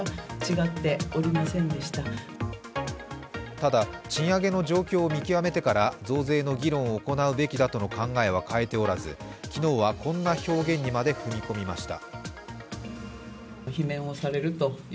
ただ、賃上げの状況を見極めてから増税の議論を行うべきだとの考えは変えておらず、昨日はこんな表現にまで踏み込みました。